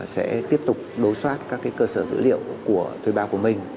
sẽ tiếp tục đối soát các cơ sở dữ liệu của thuê bao của mình